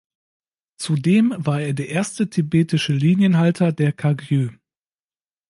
Zudem war er der erste tibetische Linienhalter der Kagyü.